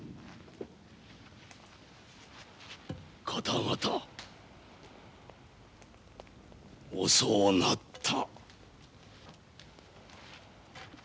方々遅うなった。